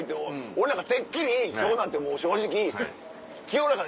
俺なんかてっきり今日なんてもう正直。